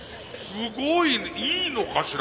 すごいねいいのかしら？